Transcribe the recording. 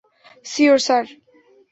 Sure, sir?